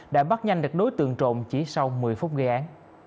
đã bắt nhanh được đối tượng trộm chỉ sau một mươi phút gây án